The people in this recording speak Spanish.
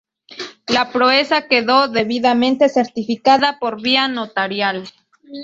La proeza quedó debidamente certificada por vía notarial.